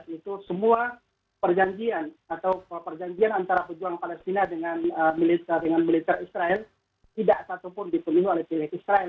itu semua perjanjian atau perjanjian antara pejuang palestina dengan militer israel tidak satupun dipenuhi oleh pihak israel